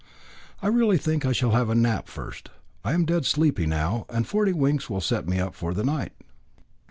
"I really think I shall have a nap first. I am dead sleepy now, and forty winks will set me up for the night."